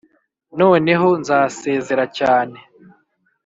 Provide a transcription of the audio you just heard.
noneho nzasezera cyane,